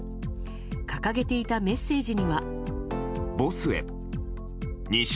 掲げていたメッセージには。